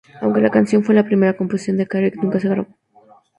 Aunque la canción fue la primera composición de Carey, nunca se grabó.